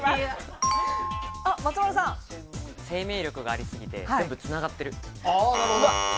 生命力がありすぎて、全部繋がってる。